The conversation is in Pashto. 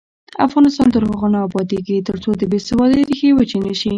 افغانستان تر هغو نه ابادیږي، ترڅو د بې سوادۍ ریښې وچې نشي.